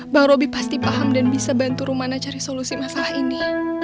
bang roby pasti paham dan bisa bantu rumana cari solusi masalah ini